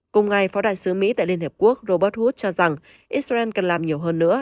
cùng ngày phó đại sứ mỹ tại liên hợp quốc robert hood cho rằng israel cần làm nhiều hơn nữa